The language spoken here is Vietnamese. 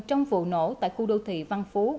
trong vụ nổ tại khu đô thị văn phú